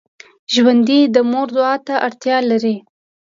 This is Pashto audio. ژوندي د مور دعا ته اړتیا لري